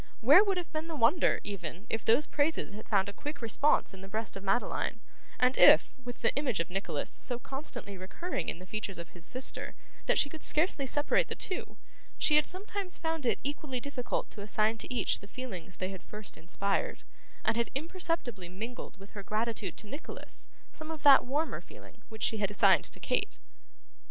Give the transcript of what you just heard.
Where would have been the wonder, even, if those praises had found a quick response in the breast of Madeline, and if, with the image of Nicholas so constantly recurring in the features of his sister that she could scarcely separate the two, she had sometimes found it equally difficult to assign to each the feelings they had first inspired, and had imperceptibly mingled with her gratitude to Nicholas, some of that warmer feeling which she had assigned to Kate?